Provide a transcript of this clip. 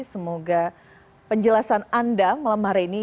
semoga penjelasan anda malam hari ini